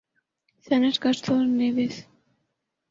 Saint Kitts اور Nevis